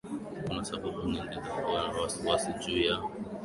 kuna sababu nyingi za kuwa na wasiwasi juu ya